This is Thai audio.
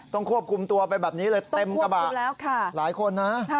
ต้องควบคุมตัวไปแบบนี้เลยเต็มกระบะต้องควบคุมแล้วค่ะหลายคนนะ